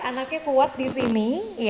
anaknya kuat disini